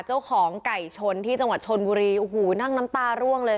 เจ้าของไก่ชนที่จังหวัดชนบุรีโอ้โหนั่งน้ำตาร่วงเลย